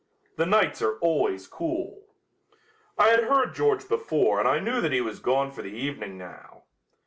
The nights are always cool." I had heard George before and I knew that he was gone for the evening now.